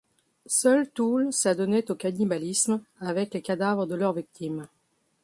Seul Toole s'adonnait au cannibalisme avec les cadavres de leurs victimes.